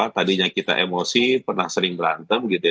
tadinya kita emosi pernah sering berantem gitu ya